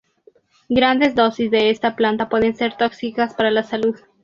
Grandes dosis de esta planta pueden ser tóxicas para la salud.